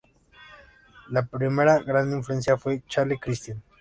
Su primera gran influencia fue Charlie Christian.